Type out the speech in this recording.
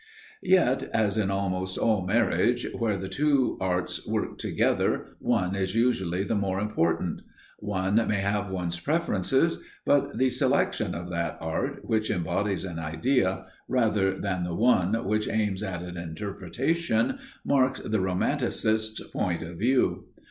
Yet, as in almost all marriage, where two arts work together one is usually the more important. One may have one's preferences, but the selection of that art which embodies an idea, rather than the one which aims at an interpretation, marks the romanticist's point of view.